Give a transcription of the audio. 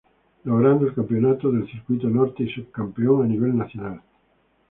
Logrando el campeonato del Circuito Norte y Sub-campeón a nivel nacional.